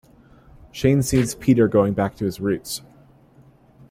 Shane sees Peter going back to his roots.